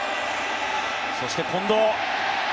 そして近藤。